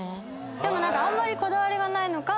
でもあんまりこだわりないのか